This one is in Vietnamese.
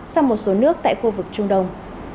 sang một số nước tại khu vực trung đông